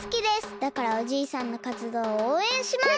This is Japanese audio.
だからおじいさんのかつどうをおうえんします！